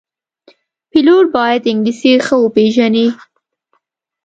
پیلوټ باید انګلیسي ښه وپېژني.